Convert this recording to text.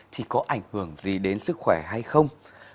thì có ảnh hưởng gì đến sức khỏe hay không